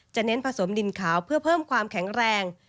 เน้นผสมดินขาวเพื่อเพิ่มความแข็งแรง